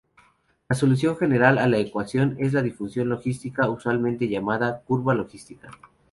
La solución general a la ecuación es la función logística, usualmente llamada curva logística.